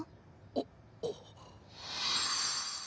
あっあぁ。